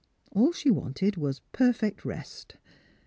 AH she wanted was perfect rest.